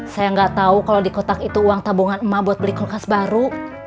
saya nggak tahu kalau di kotak itu uang tabungan emak buat beli kulkas baru